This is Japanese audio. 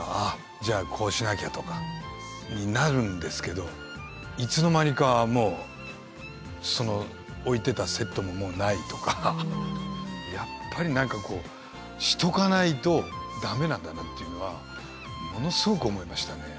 じゃあこうしなきゃとかになるんですけどいつの間にかもうその置いてたセットももうないとかやっぱり何かこうしとかないと駄目なんだなっていうのはものすごく思いましたね。